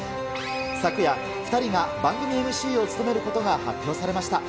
昨夜、２人が番組ＭＣを務めることが発表されました。